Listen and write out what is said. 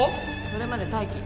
それまで待機。